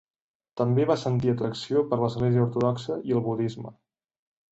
També va sentir atracció per l'església ortodoxa i el budisme.